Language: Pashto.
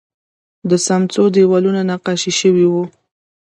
د سمڅو دیوالونه نقاشي شوي وو